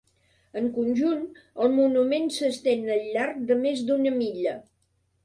En conjunt, el monument s'estén al llarg de més d'una milla.